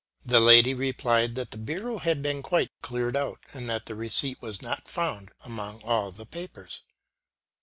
The lady replied that the bureau had been quite cleared out, and that the receipt was not found among all the papers.